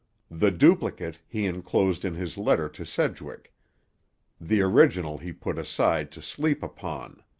The duplicate he enclosed in his letter to Sedgwick. The original he put aside to sleep upon.